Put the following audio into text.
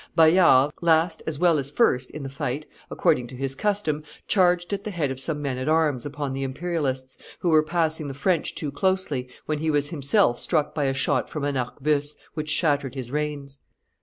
Bayard, last as well as first in the fight, according to his custom, charged at the head of some men at arms upon the Imperialists, who were pressing the French too closely, when he was himself struck by a shot from an arquebuse, which shattered his reins.